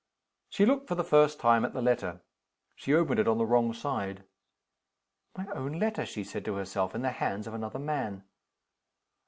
She looked for the first time at the letter. She opened it on the wrong side. "My own letter!" she said to herself. "In the hands of another man!"